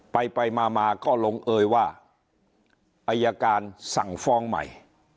ไปไปมามาก็ลงเอยว่าอายการสั่งฟ้องใหม่